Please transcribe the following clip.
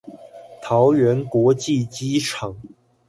桃園國際機場